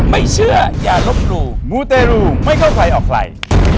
ไม่เชื่ออย่าลบหลู่มูเตรูไม่เข้าใครออกใคร